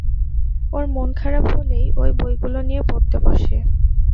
ওর মন খারাপ হলেই ঐ বইগুলো নিয়ে পড়তে বসে।